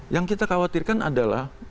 yang kita khawatirkan adalah